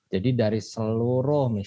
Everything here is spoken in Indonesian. jadi dari seluruh